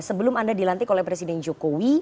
sebelum anda dilantik oleh presiden jokowi